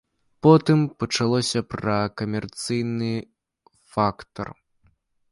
Потым пачалося пра камерцыйны фактар.